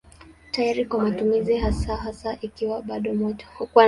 Tayari kwa matumizi hasa hasa ikiwa bado moto.